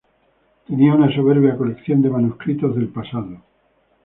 Tenía una soberbia colección de manuscritos del pasado.